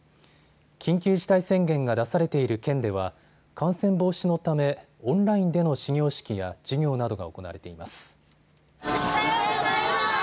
緊急事態宣言が出されている県では感染防止のためオンラインでの始業式や授業などが行われています。